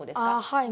はい。